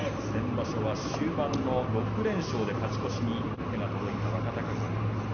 先場所は終盤の６連勝で勝ち越しに手が届いた若隆景。